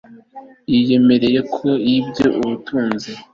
yiyemereye ko yibye ubutunzi